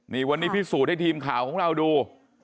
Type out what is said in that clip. นี่วันนี้พิสูจน์ให้ทีมข่าวของเราดู